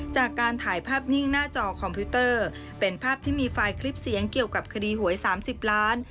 จากการถ่ายภาพนิ่งหน้าจอคอมพิวเตอร์เป็นภาพที่มีไฟล์คลิปเสียงเกี่ยวกับคดีหวย๓๐ล้าน